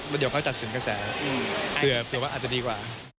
เป็นกระแสเผื่อว่าอาจจะดีกว่า